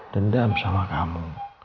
dendam sama kamu